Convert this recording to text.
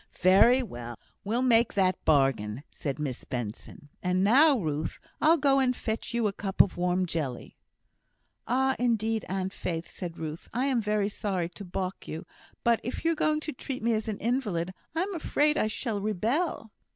"Very well! we'll make that bargain," said Miss Benson; "and now, Ruth, I'll go and fetch you a cup of warm jelly." "Oh! indeed, Aunt Faith," said Ruth, "I am very sorry to balk you; but if you're going to treat me as an invalid, I am afraid I shall rebel."